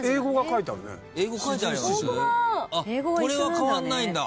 これは変わんないんだ。